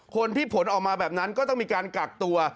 ผลที่ผลออกมาแบบนั้นก็ต้องมีการกักตัว